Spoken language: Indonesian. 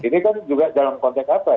ini kan juga dalam konteks apa